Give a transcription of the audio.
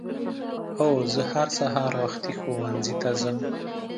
هو زه هر سهار وختي ښؤونځي ته ځم.